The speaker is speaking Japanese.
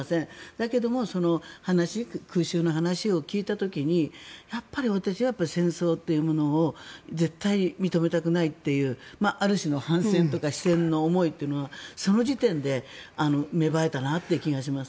だけども、空襲の話を聞いた時にやっぱり私は戦争というものを絶対認めたくないっていうある種の反戦の思いというのはその時点で芽生えたなという気がします。